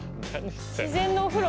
自然のお風呂？